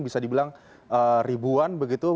bisa dibilang ribuan begitu